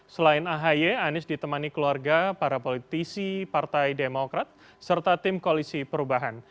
selain ahy anies ditemani keluarga para politisi partai demokrat serta tim koalisi perubahan